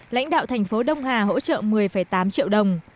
lãnh đạo thành phố đông hà hỗ trợ một mươi tám triệu đồng